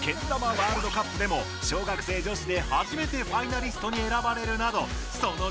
ワールドカップでも小学生女子で初めてファイナリストに選ばれるなどその実力は折り紙付き！